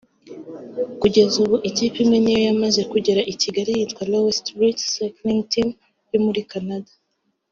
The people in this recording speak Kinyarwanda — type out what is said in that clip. Kugeza ubu ikipe imwe niyo yamaze kugera i Kigali yitwa Lowest Rates Cycling Team yo muri Canada